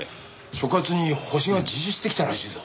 所轄にホシが自首してきたらしいぞ。